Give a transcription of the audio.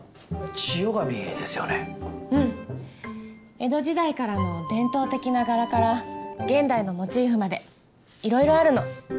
江戸時代からの伝統的な柄から現代のモチーフまでいろいろあるの。